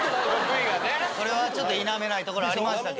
それは否めないところありましたけど。